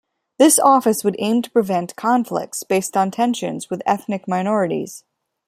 This office would aim to prevent conflicts based on tensions with ethnic minorities.